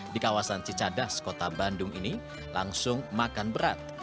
di kawasan cicadas kota bandung ini langsung makan berat